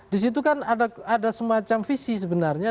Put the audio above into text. di situ kan ada semacam visi sebenarnya